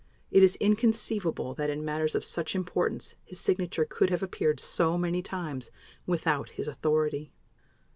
It is inconceivable that in matters of such importance his signature could have appeared so many times without his authority.